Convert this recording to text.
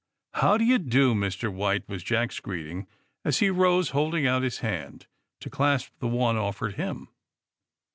'^How do you do, Mr. White f" was Jack's greeting, as he rose, holding out his hand to clasp the one offered him.